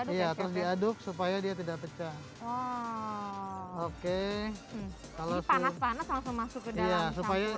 iya terus diaduk supaya dia tidak pecah oh oke kalau panas panas langsung masuk ke dalam supaya